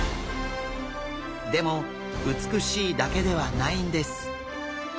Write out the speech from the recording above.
でも美しいだけではないんです。